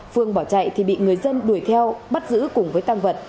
phương bỏ chạy thì bị người dân đuổi theo bắt giữ cùng với tăng vật